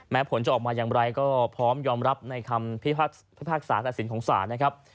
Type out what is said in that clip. ผลจะออกมาอย่างไรก็พร้อมยอมรับในคำพิพากษาตัดสินของศาลนะครับ